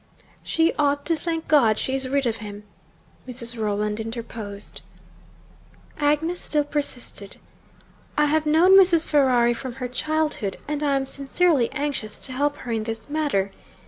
'She ought to thank God she is rid of him,' Mrs. Rolland interposed. Agnes still persisted. 'I have known Mrs. Ferrari from her childhood, and I am sincerely anxious to help her in this matter.